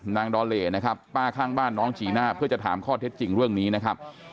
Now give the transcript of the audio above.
ดอเลนะครับป้าข้างบ้านน้องจีน่าเพื่อจะถามข้อเท็จจริงเรื่องนี้นะครับ